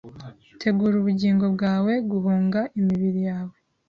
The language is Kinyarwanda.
tegura ubugingo bwawe guhunga imibiri yawe